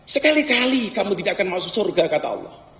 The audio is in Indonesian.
sekali kali kamu tidak akan masuk surga kata allah